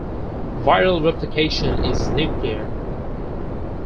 Viral replication is nuclear.